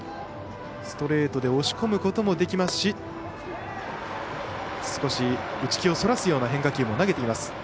ストレートで押し込むこともできますし少し打ち気をそらすような変化球も投げています。